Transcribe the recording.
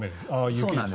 そうなんです。